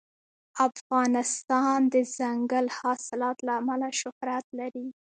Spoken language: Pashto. افغانستان د دځنګل حاصلات له امله شهرت لري.